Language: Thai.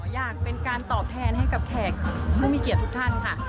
อยากเป็นการตอบแทนให้กับแขกผู้มีเกียรติทุกท่านค่ะ